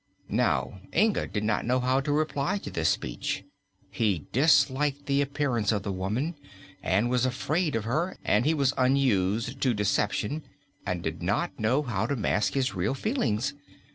Now Inga did not know how to reply to this speech. He disliked the appearance of the woman and was afraid of her and he was unused to deception and did not know how to mask his real feelings.